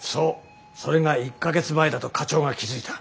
それが１か月前だと課長が気付いた。